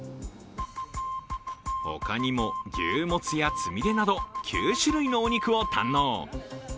他にも、牛モツやつみれなど９種類のお肉を堪能。